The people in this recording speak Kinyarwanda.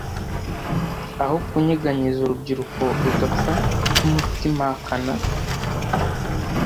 aho kunyeganyeza urubyiruko rudapfa rwumutimakana